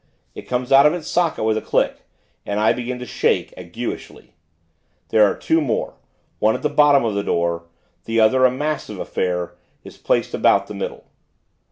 It comes out of its socket, with a click, and I begin to shake, aguishly. There are two more; one at the bottom of the door; the other, a massive affair, is placed about the middle.